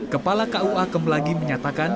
kepala kua kemelagi menyatakan